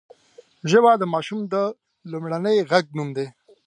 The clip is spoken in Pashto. ژبه د ماشوم د لومړني غږ نوم دی